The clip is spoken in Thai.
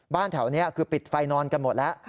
แถวนี้คือปิดไฟนอนกันหมดแล้ว